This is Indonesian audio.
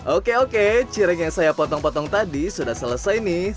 oke oke cireng yang saya potong potong tadi sudah selesai nih